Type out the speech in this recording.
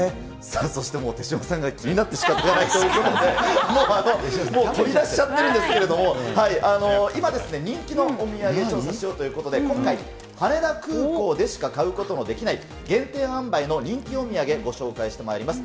そしてもう、手嶋さんがもう気になってしかたがない、もう取り出しちゃってるんですけれども、今、人気のお土産調査しようということで、今回、羽田空港でしか買うことができない、限定販売の人気お土産ご紹介してまいります。